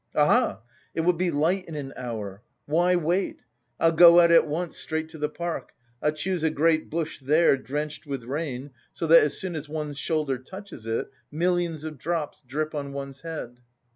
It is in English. "Aha! It will be light in an hour! Why wait? I'll go out at once straight to the park. I'll choose a great bush there drenched with rain, so that as soon as one's shoulder touches it, millions of drops drip on one's head."